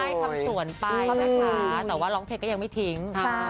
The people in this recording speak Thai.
ใช่ทำสวนไปนะคะแต่ว่าร้องเพลงก็ยังไม่ทิ้ง